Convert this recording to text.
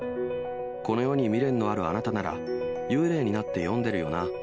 この世に未練のあるあなたなら、幽霊になって読んでるよな。